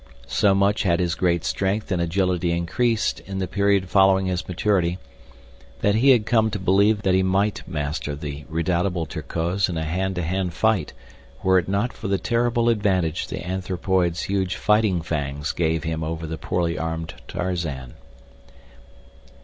So much had his great strength and agility increased in the period following his maturity that he had come to believe that he might master the redoubtable Terkoz in a hand to hand fight were it not for the terrible advantage the anthropoid's huge fighting fangs gave him over the poorly armed Tarzan.